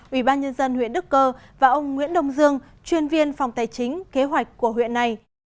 ubnd huyện đức cơ và ông nguyễn đông dương chuyên viên phòng tài chính kế hoạch của huyện này